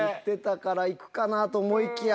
から行くかなと思いきや。